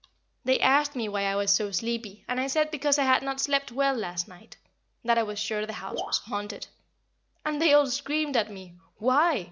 They asked me why I was so sleepy, and I said because I had not slept well the last night that I was sure the house was haunted. And so they all screamed at me, "Why?"